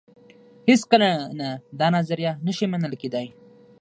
هېڅکله نه دا نظریه نه شي منل کېدای.